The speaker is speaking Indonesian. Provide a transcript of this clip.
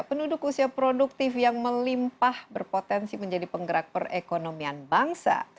penduduk usia produktif yang melimpah berpotensi menjadi penggerak perekonomian bangsa